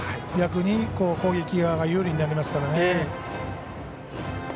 逆に攻撃側が有利になりますから。